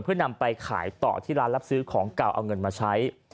เพื่อนำไปขายต่อที่ร้านรับซื้อของเก่าเอาเงินมาใช้